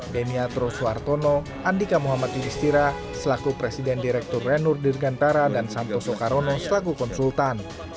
deniatro suartono andika muhammad yudhistira selaku presiden direktur renur dirgantara dan santoso karono selaku konsultan